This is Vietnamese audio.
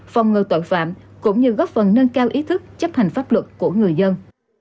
phòng ngừa tội phạm cũng như góp phần nâng cao ý thức chấp hành pháp luật của người dân